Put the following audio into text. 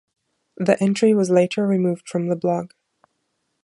The entry was later removed from the blog.